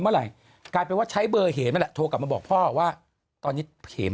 เมื่อไหร่กลายเป็นว่าใช้เบอร์เหมนั่นแหละโทรกลับมาบอกพ่อว่าตอนนี้เหม